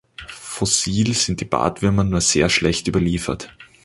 Fossil sind die Bartwürmer nur sehr schlecht überliefert.